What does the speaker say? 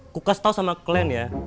aku kasih tau sama kalian ya